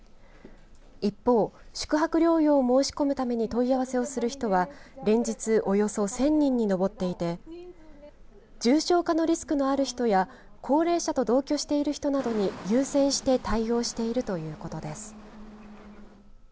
一方、宿泊療養を申し込むために問い合わせをする人は連日およそ１０００人に上っていて重症化のリスクのある人や高齢者と同居している人などに優先して対応しているということです。